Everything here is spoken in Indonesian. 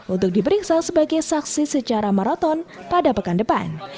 untuk diperiksa sebagai saksi secara maraton pada pekan depan